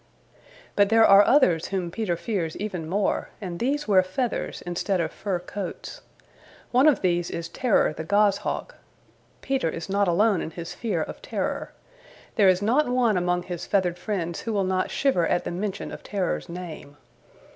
But there are others whom Peter fears even more, and these wear feathers instead of fur coats. One of these is Terror the Goshawk. Peter is not alone in his fear of Terror. There is not one among his feathered friends who will not shiver at the mention of Terror's name.